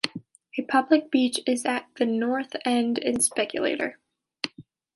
A public beach is at the north end in Speculator.